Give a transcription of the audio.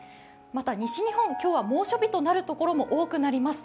また西日本、今日は猛暑日となる所が多くなります。